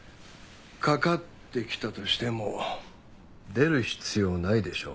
かかってきたとしても出る必要ないでしょう。